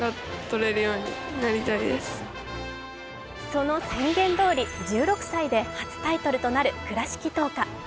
その宣言どおり１６歳で初タイトルとなる倉敷藤花。